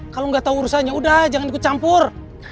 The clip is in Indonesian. kalau gak tau urusannya udah jangan ikut campur